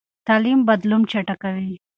تعلیم بدلون چټکوي.